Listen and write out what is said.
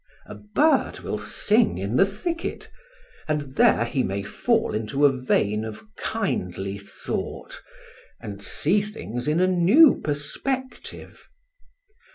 A bird will sing in the thicket. And there he may fall into a vein of kindly thought, and see things in a new perspective.